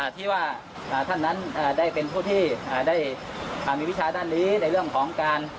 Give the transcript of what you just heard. ที่ว่าท่านนั้นได้เป็นผู้ที่ได้มีวิชาด้านนี้ในเรื่องของการ